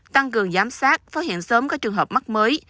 tăng cường giám sát phát hiện sớm các trường hợp mắc mới